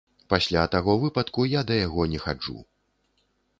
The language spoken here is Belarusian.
Пасля таго выпадку я да яго не хаджу.